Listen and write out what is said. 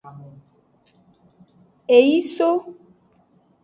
E yi so.